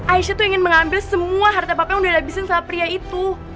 aisyah tuh ingin mengambil semua harta papa yang udah dihabisin sama pria itu